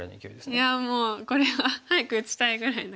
いやもうこれは早く打ちたいぐらいの。